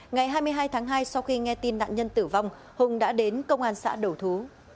ngày hai mươi hai tháng hai sau khi nghe tin nạn nhân tử vong hùng đã đến công an xã đầu thú